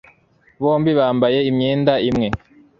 bombi bambaye imyenda imwe